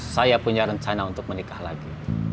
saya punya rencana untuk menikah lagi